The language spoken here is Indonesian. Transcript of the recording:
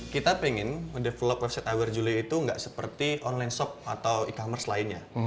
kita ingin mengembangkan website awerzule com tidak seperti online shop atau e commerce lainnya